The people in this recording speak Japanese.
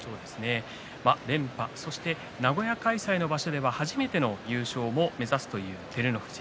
連覇、そして名古屋開催の場所では初めての優勝も目指すという照ノ富士